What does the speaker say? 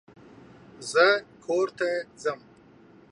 زه کورته ځم.